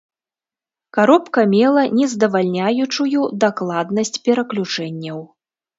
Каробка мела нездавальняючую дакладнасць пераключэнняў.